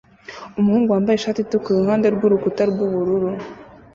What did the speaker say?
Umuhungu wambaye ishati itukura iruhande rwurukuta rwubururu